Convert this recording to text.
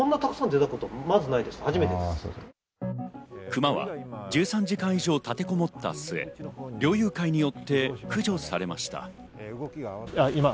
クマは１３時間以上立てこもった末、猟友会によって駆除されました。